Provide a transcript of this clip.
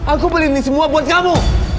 aku beli ini semua buat kamu